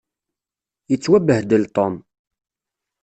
Yettwabehdel Tom.